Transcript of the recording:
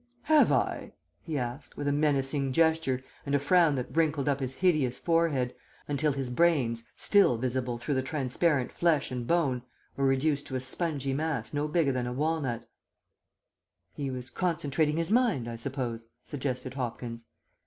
"'Have I?' he asked, with a menacing gesture and a frown that wrinkled up his hideous forehead, until his brains, still visible through the transparent flesh and bone, were reduced to a spongy mass no bigger than a walnut " "He was concentrating his mind, I suppose?" suggested Hopkins.